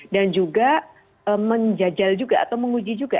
dan juga menjajal juga atau menguji juga